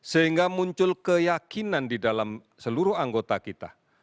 sehingga muncul keyakinan di dalam seluruh anggota kita